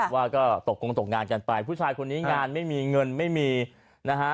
ว่าก็ตกกงตกงานกันไปผู้ชายคนนี้งานไม่มีเงินไม่มีนะฮะ